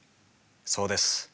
そうです。